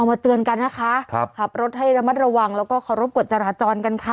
มาเตือนกันนะคะครับขับรถให้ระมัดระวังแล้วก็เคารพกฎจราจรกันค่ะ